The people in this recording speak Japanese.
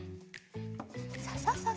ササササ。